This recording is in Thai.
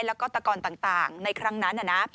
และก็ตะกอลต่างในครั้งนั้นน่ะนะ